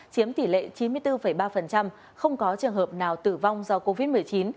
chiếm tỷ lệ chín mươi bốn ba không có trường hợp nào tử vong do covid một mươi chín